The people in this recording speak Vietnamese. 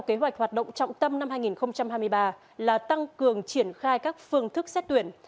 kế hoạch hoạt động trọng tâm năm hai nghìn hai mươi ba là tăng cường triển khai các phương thức xét tuyển